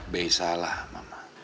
be salah mama